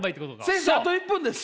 先生あと１分です！